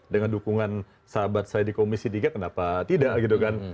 dengan dukungan sahabat saya di komisi tiga kenapa tidak gitu kan